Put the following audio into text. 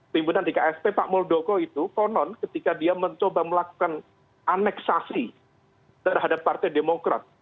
pimpinan di ksp pak muldoko itu konon ketika dia mencoba melakukan aneksasi terhadap partai demokrat